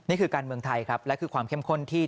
นี่คือการเมืองไทยครับและคือความเข้มข้นที่